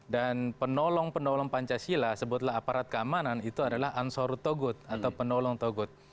dan penolong penolong pancasila sebutlah aparat keamanan itu adalah ansarut togut atau penolong togut